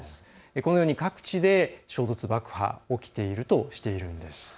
このように各地で衝突、爆破が起きていると主張しているんです。